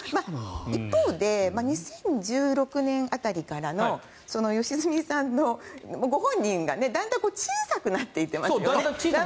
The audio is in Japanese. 一方で２０１６年辺りからの良純さんご本人がだんだん小さくなっていっていますよね。